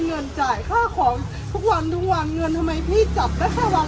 เงินจ่ายค่าของทุกวันทุกวันเงินทำไมพี่จับได้แค่วัน